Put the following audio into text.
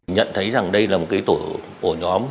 nhận thấy rằng đây là một cái tổ ổ nhóm